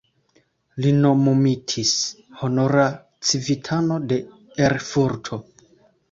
Li nomumitis honora civitano de Erfurto.